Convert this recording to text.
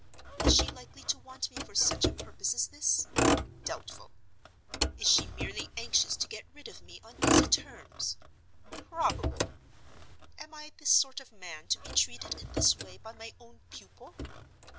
Is she likely to want me for such a purpose as this? Doubtful. Is she merely anxious to get rid of me on easy terms? Probable. Am I the sort of man to be treated in this way by my own pupil?